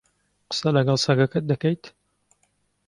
قسە لەگەڵ سەگەکەت دەکەیت؟